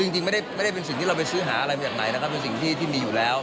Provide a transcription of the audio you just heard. จริงไม่ได้เป็นการไปซื้อหาอะไรเป็นอิงเฉพาะที่มีอยู่แล้ว